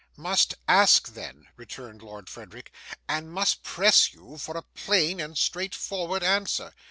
'Must ask then,' returned Lord Frederick, 'and must press you for a plain and straightforward answer.